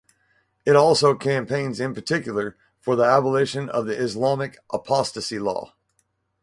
It also campaigns in particular for the abolition of the Islamic apostasy law.